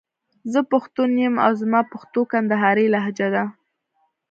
زه پښتون يم او زما پښتو کندهارۍ لهجه ده.